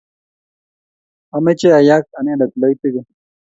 Ameche ayak anende loitige